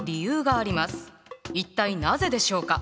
一体なぜでしょうか？